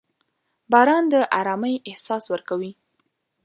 • باران د ارامۍ احساس ورکوي.